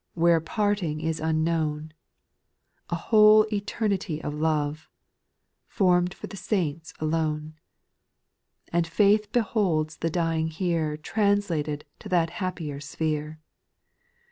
Where parting is unknown, A whole eternity of love, Form'd for the saints alone : And faith beholds the dying here Translated to that happier sphere.